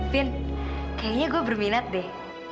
vin kayaknya gue berminat deh